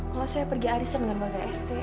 kalau saya pergi arisan dengan warga rt